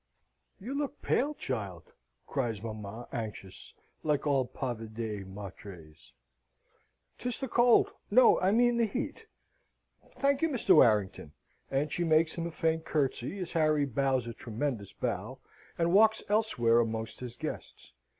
"You look pale, child!" cries mamma, anxious, like all pavidae matres. "'Tis the cold no, I mean the heat. Thank you, Mr. Warrington." And she makes him a faint curtsey, as Harry bows a tremendous bow, and walks elsewhere amongst his guests.